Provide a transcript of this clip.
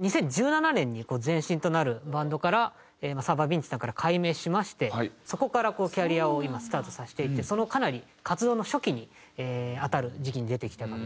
２０１７年に前身となるバンドからＳｒｖ．Ｖｉｎｃｉさんから改名しましてそこからキャリアを今スタートさせていってかなり活動の初期に当たる時期に出てきた楽曲ですね。